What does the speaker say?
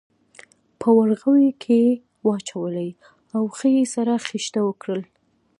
په ورغوي کې یې واچولې او ښه یې سره خیشته کړل.